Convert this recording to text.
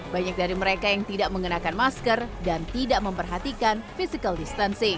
banyak dari mereka yang tidak mengenakan masker dan tidak memperhatikan physical distancing